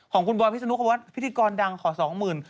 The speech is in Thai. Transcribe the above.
ของคุณบอยพิศนุเขาว่าพิธีกรดังขอสองหมื่น